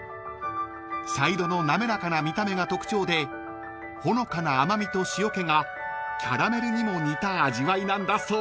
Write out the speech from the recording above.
［茶色の滑らかな見た目が特徴でほのかな甘味と塩気がキャラメルにも似た味わいなんだそう］